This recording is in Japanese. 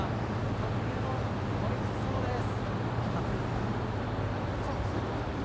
とってもおいしそうです。